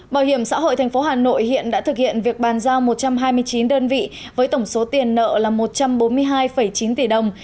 bảo hiểm xã hội tp hà nội hiện đã thực hiện việc bàn giao một trăm hai mươi chín đơn vị với tổng số tiền nợ là một trăm bốn mươi hai chín tỷ đồng